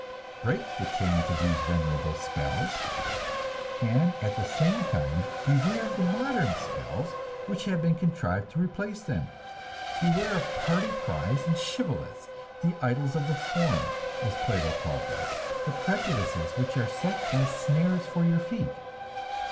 Break the chains of these venerable spells; and at the same time beware of the modern spells which have been contrived to replace them! Beware of party cries and shibboleths, the idols of the forum, as Plato called them, the prejudices which are set as snares for your feet.